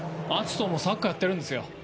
篤斗もサッカーやってるんですよ。